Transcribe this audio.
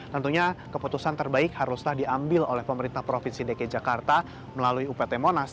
tentunya keputusan terbaik haruslah diambil oleh pemerintah provinsi dki jakarta melalui upt monas